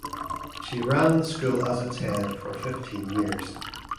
She ran the school as its Head for fifteen years.